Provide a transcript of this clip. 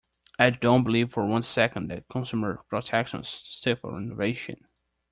I don't believe for one second that consumer protections stifle innovation.